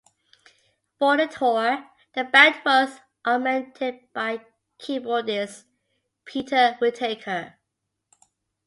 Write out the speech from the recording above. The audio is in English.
For the tour, the band was augmented by keyboardist Peter Whittaker.